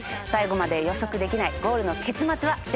最後まで予測できないゴールの結末は？